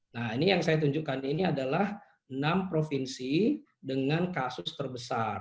nah ini yang saya tunjukkan ini adalah enam provinsi dengan kasus terbesar